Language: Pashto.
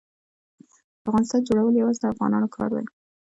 د افغانستان جوړول یوازې د افغانانو کار دی.